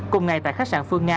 cùng ngày tại khách sạn phương nga